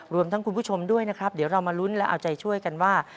รวมทั้งคุณผู้ชมด้วยนะครับเดี๋ยวเรามาลุ้นและเอาใจช่วยกันว่า